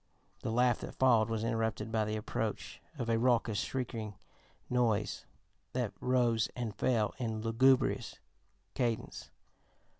'" The laugh that followed was interrupted by the approach of a raucous, shrieking noise that rose and fell in lugubrious cadence.